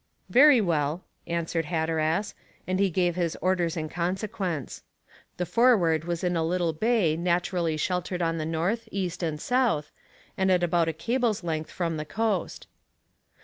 "Very well," answered Hatteras, and he gave his orders in consequence. The Forward was in a little bay naturally sheltered on the north, east, and south, and at about a cable's length from the coast.